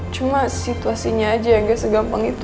cuma situasinya aja nggak segampang itu